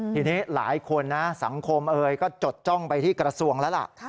ทีนี้หลายคนนะสังคมเอ่ยก็จดจ้องไปที่กระทรวงแล้วล่ะ